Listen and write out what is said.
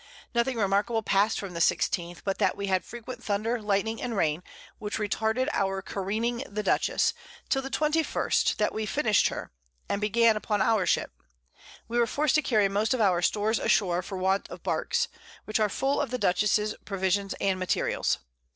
Nothing remarkable pass'd from the 16th, but that we had frequent Thunder, Lightning and Rain, which retarded our Careening the Dutchess, till the 21st that we finish'd her, and began upon our Ship: We were forc'd to carry most of our Stores ashore, for want of Barks, which are full of the Dutchess's Provisions and Materials.